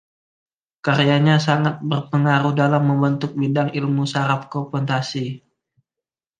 Karyanya sangat berpengaruh dalam membentuk bidang ilmu saraf komputasi.